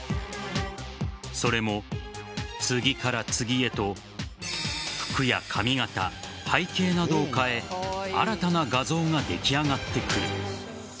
それも、次から次へと服や髪形背景などを変え新たな画像が出来上がってくる。